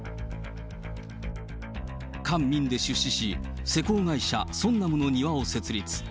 官民で出資し、施工会社、ソンナムの庭を設立。